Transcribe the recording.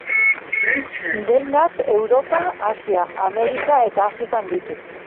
Dendak Europa, Asia, Amerika eta Afrikan ditu.